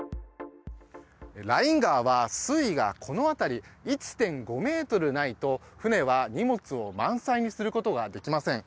ライン川は水位がこの辺り、１．５ｍないと船は荷物を満載にすることができません。